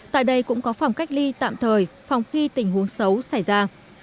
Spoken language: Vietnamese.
tại đây cũng có phòng cách ly tạm thời phòng khi tình huống xấu xảy ra